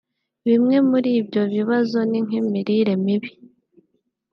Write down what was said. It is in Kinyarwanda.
Bimwe muri ibyo bibazo ni nk’imirire mibi